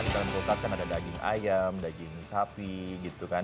di dalam kulkas kan ada daging ayam daging sapi gitu kan